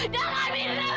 jangan mirza mirza jangan